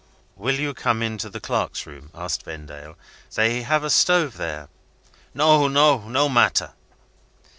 "Will you come into the clerks' room?" asked Vendale. "They have a stove there." "No, no. No matter."